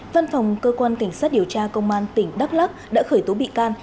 văn phòng cơ quan cảnh sát điều tra công an tỉnh đắk lắc đã khởi tố bị can